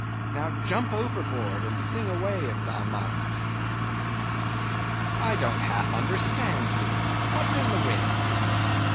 Now jump overboard, and sing away, if thou must! "I don't half understand ye: what's in the wind?"